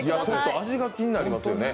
味が気になりますよね、